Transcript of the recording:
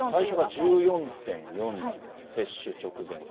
最初が１４．４なんだ、接種直前が。